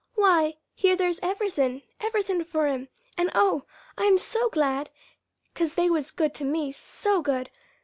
Why, here there's everythin' everythin' for 'em, and oh, I'm so glad, 'cause they was good to me so good!